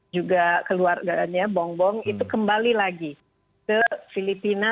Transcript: juga keluarganya bongbong itu kembali lagi ke filipina